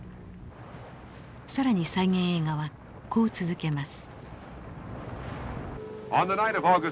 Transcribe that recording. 更に再現映画はこう続けます。